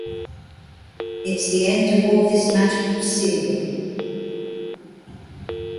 It's the end of all this magical serie.